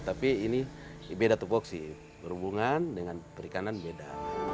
tapi ini beda tokok sih berhubungan dengan perikanan beda